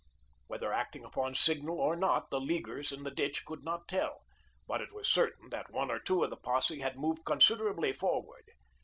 Whether acting upon signal or not, the Leaguers in the ditch could not tell, but it was certain that one or two of the posse had moved considerably forward.